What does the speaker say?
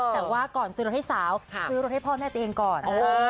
แต่ว่าก่อนซื้อรถให้สาวซื้อรถให้พ่อแม่ตัวเองก่อน